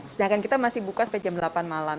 sedangkan kita masih buka sampai jam delapan malam